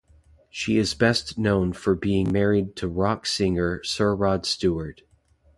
She is best known for being married to rock singer Sir Rod Stewart.